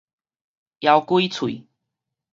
枵鬼喙